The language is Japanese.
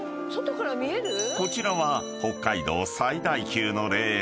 ［こちらは北海道最大級の霊園